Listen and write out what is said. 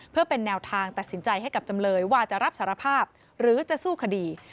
เพื่อเป็นแนวทางตัดสินใจให้กับจำเลยว่าจะรับสารภาพหรือจะสู้คดี